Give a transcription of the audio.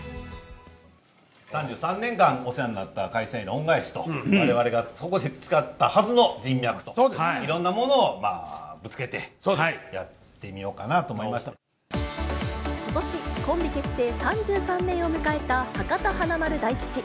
３３年間お世話になった会社への恩返しと、われわれがここで培ったはずの人脈と、いろんなものをぶつけて、ことし、コンビ結成３３年を迎えた博多華丸・大吉。